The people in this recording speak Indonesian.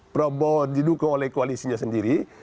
prabowo didukung oleh koalisinya sendiri